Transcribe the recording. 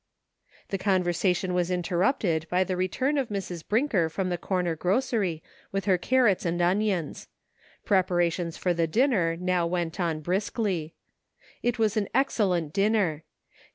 The conversation was interrupted by the return of Mrs. Brinker from tlie corner grocery with her carrots and onions. Preparations for the dinner now went on briskly. It was an excellent dinner.